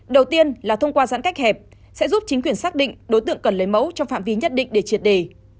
đầu tiên là thông qua giãn cách hẹp sẽ giúp chính quyền xác định đối tượng cần lấy mẫu trong phạm vi nhất định để triệt đề